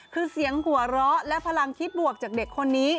คือเสียงหัวเราะและพลังคิดบวกจากเด็กคนนี้